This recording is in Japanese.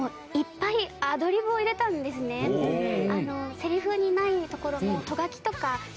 セリフにないところもト書きとかあって。